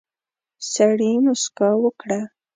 سړي موسکا وکړه.